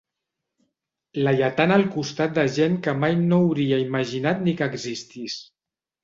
Laietana al costat de gent que mai no hauria imaginat ni que existís.